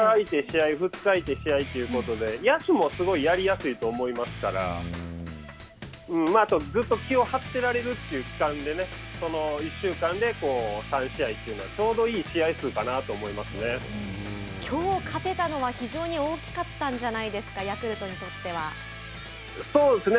日程的にもすごい２日あいて試合２日あいて試合ということで野手もやりやすいと思いますからあとずっと気を張ってられるという期間でね１週間で３試合というのはちょうどいい試合数かなときょう勝てたのは非常に大きかったんじゃないですかそうですね。